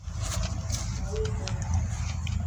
Mawudola.